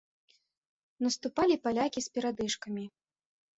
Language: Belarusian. Наступалі палякі з перадышкамі.